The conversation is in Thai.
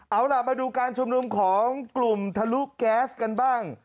เอาล่ะมาดูการชุมนุมของกลุ่มทะลุแก๊สกันบ้าง